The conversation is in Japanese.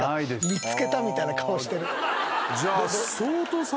「見つけた」みたいな顔してる。